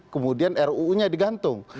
kemudian ruu nya digantung